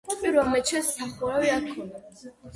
პირველ მეჩეთს სახურავი არ ჰქონდა.